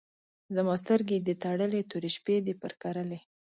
زما سترګې دي تړلي، تورې شپې دي پر کرلي